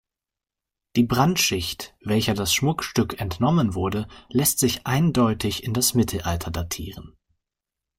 Die Brandschicht, welcher das Schmuckstück entnommen wurde, lässt sich eindeutig in das Mittelalter datieren.